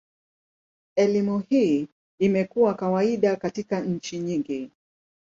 Elimu hii imekuwa kawaida katika nchi nyingi.